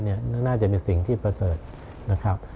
น่าจะมีสิ่งที่ประเสริฐนะครับ